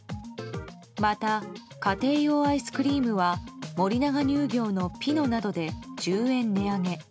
また、家庭用アイスクリームは森永乳業のピノなどで１０円値上げ。